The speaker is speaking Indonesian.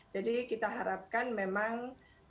jadi kita harapkan memang